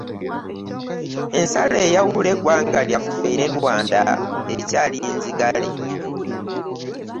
Ensalo eyawula egwanga lyaffe ne Rwanda ekyaali nzigale.